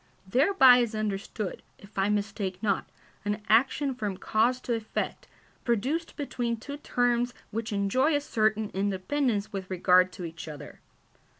Thereby is understood, if I mistake not, an action from cause to effect, produced between two terms which enjoy a certain independence with regard to each other.